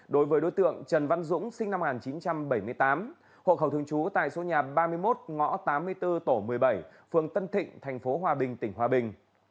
đối với đối tượng trần văn dũng sinh năm một nghìn chín trăm bảy mươi tám hộ khẩu thường trú tại số nhà ba mươi một ngõ tám mươi bốn tổ một mươi bảy phường tân thịnh tp hòa bình tỉnh hòa bình